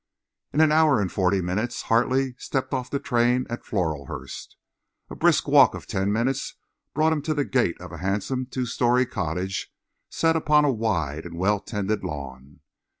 In an hour and forty minutes Hartley stepped off the train at Floralhurst. A brisk walk of ten minutes brought him to the gate of a handsome two story cottage set upon a wide and well tended lawn.